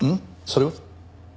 それは？